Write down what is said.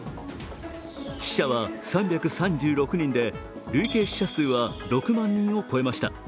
死者は３３６人で累計死者数は６万人を超えました。